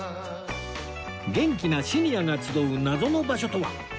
元気なシニアが集う謎の場所とは？